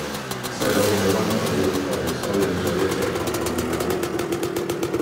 細佬喺灣仔活道收養左一隻流浪狗